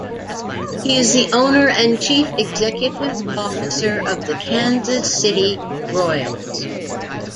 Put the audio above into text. He is the owner and chief executive officer of the Kansas City Royals.